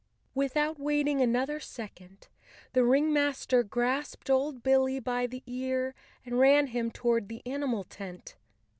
Without waiting another second, the ringmaster grasped old Billy by the ear and ran him toward the animal tent.